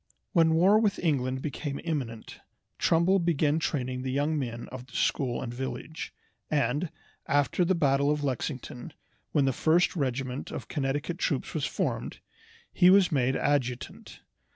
When war with England became imminent Trumbull began training the young men of the school and village, and, after the battle of Lexington, when the first regiment of Connecticut troops was formed, he was made adjutant.